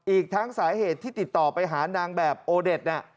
อีกทั้งสาเหตุที่ติดต่อไปหานางแบบโอเด็ดน่ะ